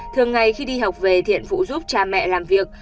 thường ngày khi đi học về thiện phụ giúp cha mẹ làm việc